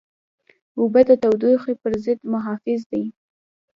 اوبه د تودوخې پر ضد محافظ دي.